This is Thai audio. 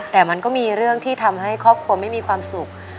แต่มันก็มีเรื่องที่ทำให้ครอบครัวไม่มีความสุข